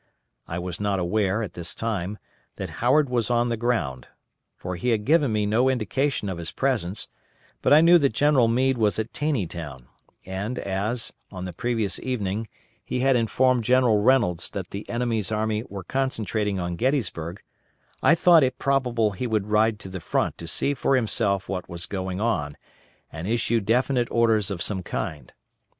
I was not aware, at this time, that Howard was on the ground, for he had given me no indication of his presence, but I knew that General Meade was at Taneytown; and as, on the previous evening, he had informed General Reynolds that the enemy's army were concentrating on Gettysburg, I thought it probable he would ride to the front to see for himself what was going on, and issue definite orders of some kind.